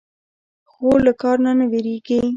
خور له کار نه نه وېرېږي.